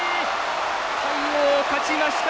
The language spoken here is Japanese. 魁皇、勝ちました。